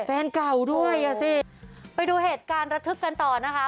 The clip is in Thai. ไปดูเหตุการณ์ระทึกกันต่อนะคะ